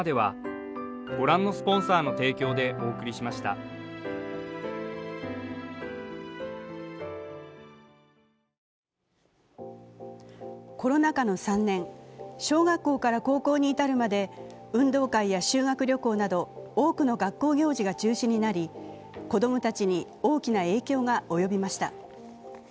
東芝コロナ禍の３年小学校から高校に至るまで運動会や修学旅行など多くの学校行事が中止になり子供たちに大きな影響が及びました。